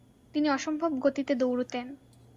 তিনি অসম্ভব গতিতে দৌঁড়ুতেন।